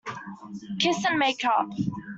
Kiss and make up.